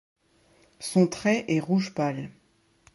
Son trait est rouge pâle.